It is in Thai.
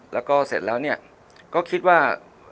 แล้วก็เสร็จแล้วเนี่ยก็คิดว่า